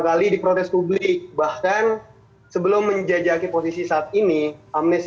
kali diprotes publik bahkan sebelum menjajaki posisi saat ini amnesti